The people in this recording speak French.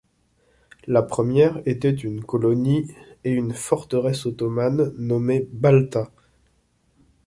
La première était une colonie et une forteresse ottomanes nommées Balta.